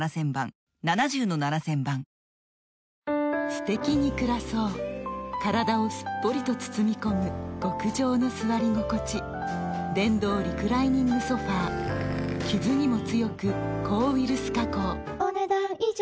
すてきに暮らそう体をすっぽりと包み込む極上の座り心地電動リクライニングソファ傷にも強く抗ウイルス加工お、ねだん以上。